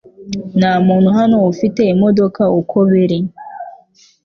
Nta muntu hano ufite imodoka uko biri